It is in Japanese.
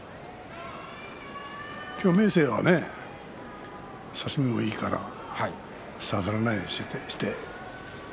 今日は明生は差し身もいいから下がらないようにして。